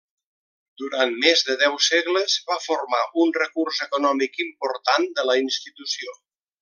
Durant més de deu segles, va formar un recurs econòmic important de la institució.